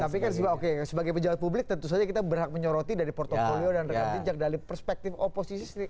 tapi kan juga oke sebagai pejabat publik tentu saja kita berhak menyoroti dari portfolio dan rekam jejak dari perspektif oposisi sendiri